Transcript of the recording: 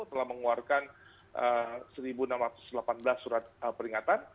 telah mengeluarkan satu enam ratus delapan belas surat peringatan